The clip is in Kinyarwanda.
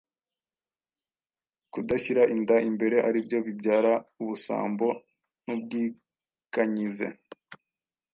kudashyira inda imbere aribyo bibyara ubusambo n'ubwikanyize.